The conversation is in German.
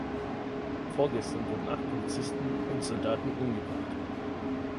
Vorgestern wurden acht Polizisten und Soldaten umgebracht.